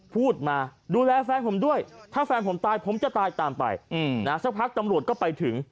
พูดมาดูแลแฟนผมด้วยถ้าแฟนผมตายผมจะตายตามไปสักพักตำรวจก็ไปถึง